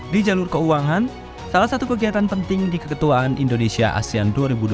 di jalur keuangan salah satu kegiatan penting di keketuaan indonesia asean dua ribu dua puluh